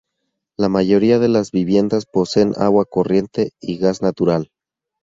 La mayoría de las viviendas poseen agua corriente y gas natural.